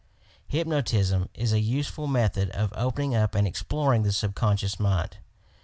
Hypnotism is a useful method of opening up and exploring the subconscious mind.